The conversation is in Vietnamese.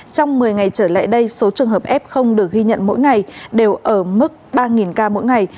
trong một mươi ngày trở lại đây số trường hợp f được ghi nhận mỗi ngày đều ở mức ba ca mỗi ngày